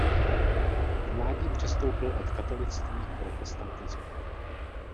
V mládí přestoupil od katolictví k protestantismu.